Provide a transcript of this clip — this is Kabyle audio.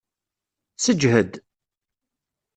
Seǧhed!